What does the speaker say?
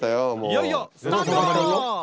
いよいよスタート！